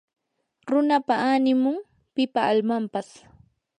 runapa animun; pipa almanpas